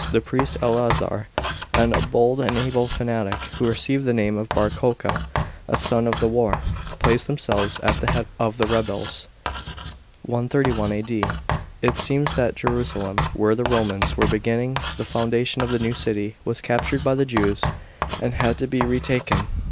The priest Eleazar and a bold and able fanatic, who received the name of Bar Coca' >a, " son of the star," placed themselves at the head of the rebels (131 A.D.). It seems that Jerusalem, where the Romans were beginning the foundation of the new city, was captured by the Jews, and had to be retaken.